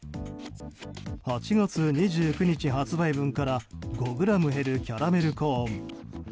８月２９日発売分から５ｇ減るキャラメルコーン。